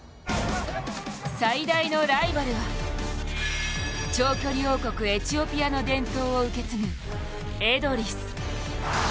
最大のライバルは、長距離王国・エチオピアの伝統を受け継ぐエドリス。